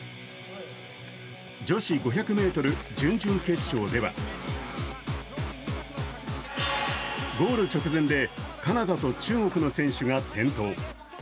女子５００ｍ準々決勝ではゴール直前でカナダと中国の選手が転倒。